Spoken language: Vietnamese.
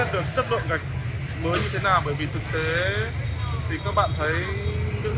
thì tự tượng nứt tóc là rất nhiều